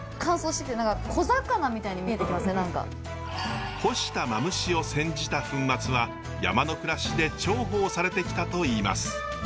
でも何か干したマムシを煎じた粉末は山の暮らしで重宝されてきたといいます。